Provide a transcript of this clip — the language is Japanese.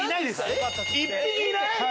１匹いない？